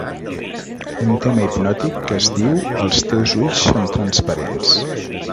Un tema hipnòtic que es diu «Els teus ulls són transparents».